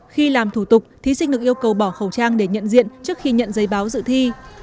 khi làm thủ tục thí sinh được yêu cầu bỏ khẩu trang để nhận diện trước khi nhận giấy báo dự thi